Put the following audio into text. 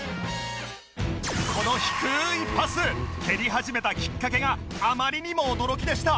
この低いパス蹴り始めたきっかけがあまりにも驚きでした